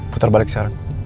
putar balik seharian